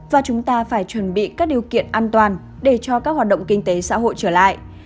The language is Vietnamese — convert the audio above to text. và chúng ta phải chuẩn bị các điều kiện an toàn để cho các hoạt động kinh tế xã hội trở lại